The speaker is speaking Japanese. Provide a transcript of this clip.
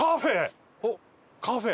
カフェ！